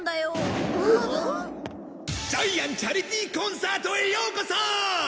ジャイアンチャリティーコンサートへようこそ！